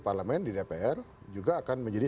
parlemen di dpr juga akan menjadi